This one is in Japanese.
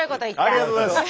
ありがとうございます。